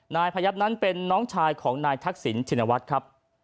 นายพยับนั้นเป็นน้องชายของนายทักษิณชินวัฒน์ครับ